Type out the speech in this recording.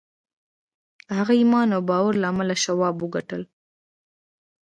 د هغه ایمان او باور له امله شواب وګټل